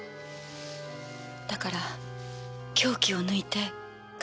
だから凶器を抜いて隠した。